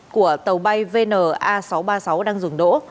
của tàu bay vn a sáu trăm ba mươi sáu đang dừng đỗ